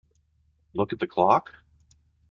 Look at the clock?